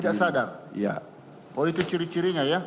tidak sadar oh itu ciri cirinya ya